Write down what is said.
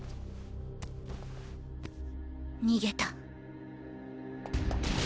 逃げた。